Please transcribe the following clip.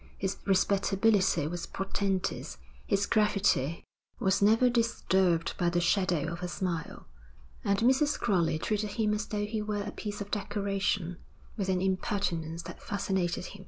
His respectability was portentous, his gravity was never disturbed by the shadow of a smile; and Mrs. Crowley treated him as though he were a piece of decoration, with an impertinence that fascinated him.